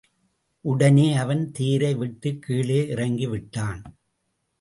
உடனே அவன் தேரை விட்டுக் கீழே இறங்கிவிட்டான்.